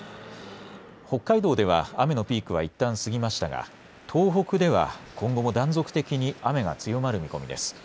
北海道では雨のピークはいったん過ぎましたが、東北では今後も断続的に雨が強まる見込みです。